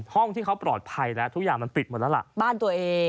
ห้องที่เขาปลอดภัยแล้วทุกอย่างมันปิดหมดแล้วล่ะ